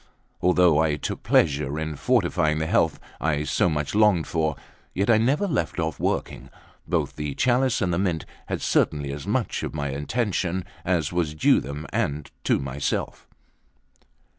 Although I took pleasure in fortifying the health I so much longed for, yet I never left off working; both the chalice and the Mint had certainly as much of my attention as was due to them and to myself.